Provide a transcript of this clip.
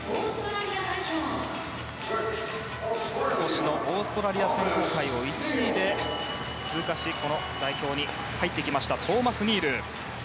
今年のオーストラリア選考会を１位で通過し代表に入ってきましたトーマス・ニール。